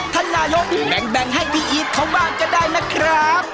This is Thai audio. ท่านนายกแบ่งให้พี่อีทเขาบ้างก็ได้นะครับ